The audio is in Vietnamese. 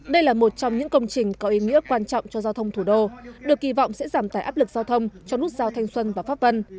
đây là một trong những công trình có ý nghĩa quan trọng cho giao thông thủ đô được kỳ vọng sẽ giảm tải áp lực giao thông cho nút giao thanh xuân và pháp vân